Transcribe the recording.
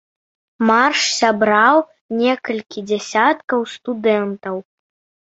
Марш сабраў некалькі дзясяткаў студэнтаў.